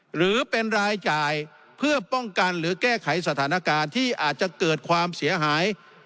หรือเป็นรายจ่ายเพื่อป้องกันหรือแก้ไขสถานการณ์ที่อาจจะเกิดความเสียหาย